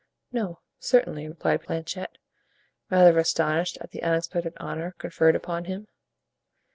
"No, certainly," replied Planchet, rather astonished at the unexpected honor conferred upon him.